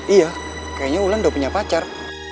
iya kayaknya ulan udah punya pacar